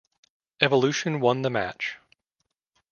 Evolution won the match.